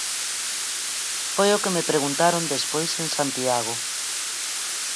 Foi o que me preguntaron despois en Santiago.